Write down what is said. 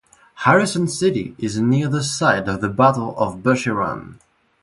Harrison City is near the site of the Battle of Bushy Run.